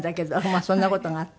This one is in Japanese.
まあそんな事があって。